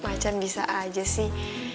macan bisa aja sih